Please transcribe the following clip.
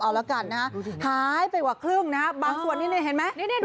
เอาละกันนะหายไปกว่าครึ่งนะครับบางส่วนนี้เห็นไหม